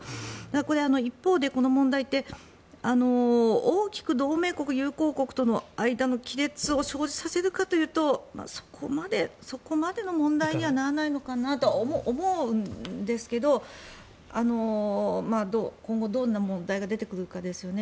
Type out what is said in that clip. これ、一方でこの問題って大きく同盟国、友好国との間の亀裂を生じさせるかというとそこまでの問題にはならないのかなと思うんですが今後、どんな問題が出てくるかですよね。